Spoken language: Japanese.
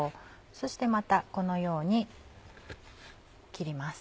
そしてまたこのように切ります。